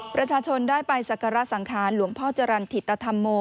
ประชาชนได้ไปสักการะสังขารหลวงพ่อจรรย์ถิตธรรมโม